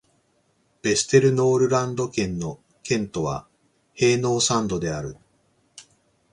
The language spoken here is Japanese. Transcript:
ヴェステルノールランド県の県都はヘーノーサンドである